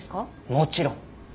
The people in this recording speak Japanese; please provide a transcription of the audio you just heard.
もちろん。